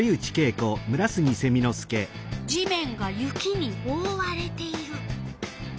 地面が雪におおわれている。